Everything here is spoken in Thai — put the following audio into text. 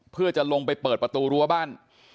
เพื่อจะลงไปเปิดประตูรั้วบ้าน